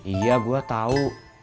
iya gua tau